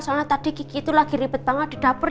soalnya tadi gigi itu lagi ribet banget di dapur